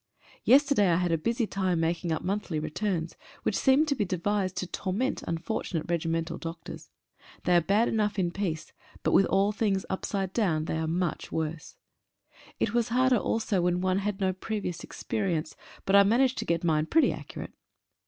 Yester day I had a busy time making up monthly returns, which seem to be devised to torment unfortunate regi mental doctors. They are bad enough in peace, but with things all upside down they are much worse. It was harder also when one had no previous experience, but I managed to get mine pretty accurate.